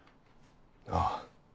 ああ。